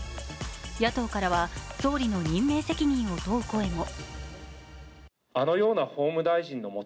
野党からは総理の任命権者を問う声も。